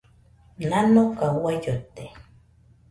Nanoka uai llote.